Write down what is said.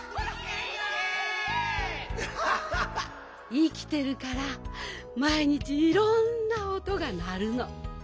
いきてるからまいにちいろんなおとがなるの。